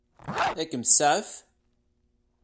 Ad kem-tsaɛef?